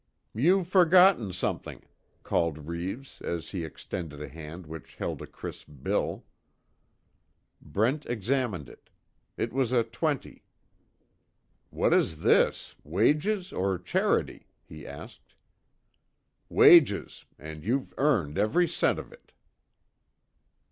"You've forgotten something," called Reeves as he extended a hand which held a crisp bill. Brent examined it. It was a twenty. "What is this wages or charity?" he asked. "Wages and you've earned every cent of it."